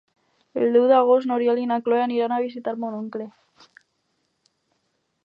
El deu d'agost n'Oriol i na Cloè aniran a visitar mon oncle.